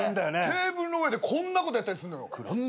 テーブルの上でこんなことやったりするのよ。